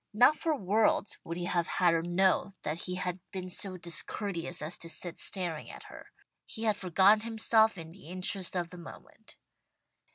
Not for worlds would he have had her know that he had been so discourteous as to sit staring at her. He had forgotten himself in the interest of the moment.